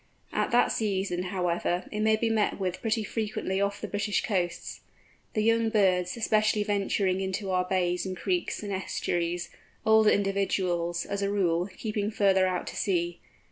At that season, however, it may be met with pretty frequently off the British coasts, the young birds especially venturing into our bays and creeks and estuaries, older individuals, as a rule, keeping further out to sea.